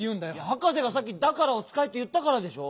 はかせがさっき「『だから』をつかえ」っていったからでしょ。